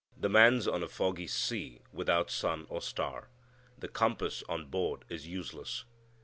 The man's on a foggy sea without sun or star. The compass on board is useless.